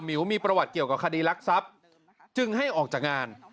๋วมีประวัติเกี่ยวกับคดีรักทรัพย์จึงให้ออกจากงาน